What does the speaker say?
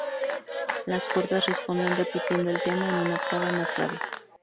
Las cuerdas responden repitiendo el tema en una octava más grave.